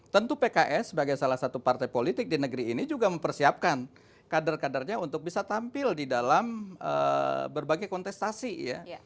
tentu pks sebagai salah satu partai politik di negeri ini juga mempersiapkan kader kadernya untuk bisa tampil di dalam berbagai kontestasi ya